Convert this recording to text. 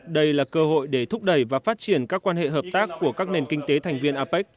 đây là cơ hội để thúc đẩy và phát triển các quan hệ hợp tác của các nền kinh tế thành viên apec